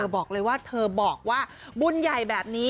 บอกเลยว่าเธอบอกว่าบุญใหญ่แบบนี้